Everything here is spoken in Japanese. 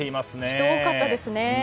人が多かったですね。